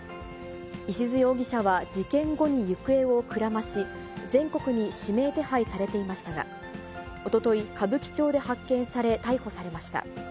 石津容疑者は事件後に行方をくらまし、全国に指名手配されていましたが、おととい、歌舞伎町で発見され、逮捕されました。